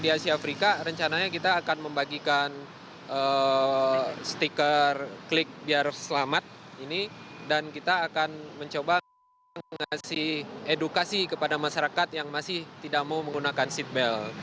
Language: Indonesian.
di asia afrika rencananya kita akan membagikan stiker klik biar selamat ini dan kita akan mencoba mengasih edukasi kepada masyarakat yang masih tidak mau menggunakan seatbelt